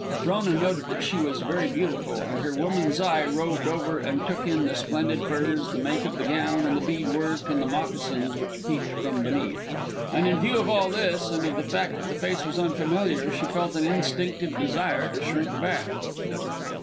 Frona noted that she was very beautiful, and her woman's eye roved over and took in the splendid furs, the make of the gown, and the bead work of the moccasins which peeped from beneath. And in view of all this, and of the fact that the face was unfamiliar, she felt an instinctive desire to shrink back.